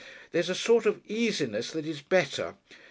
There's a sort of easiness that is better.